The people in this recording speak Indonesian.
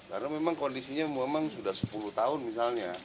karena memang kondisinya memang sudah sepuluh tahun misalnya